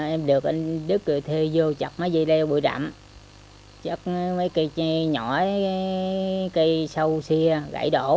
em đưa cây rừng vào chặt mấy cây leo bụi rậm chặt mấy cây nhỏ cây sâu xia gãy đổ